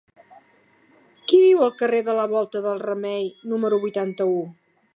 Qui viu al carrer de la Volta del Remei número vuitanta-u?